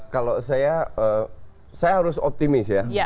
kalau saya saya harus optimis ya